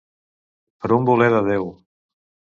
Per un voler de Déu.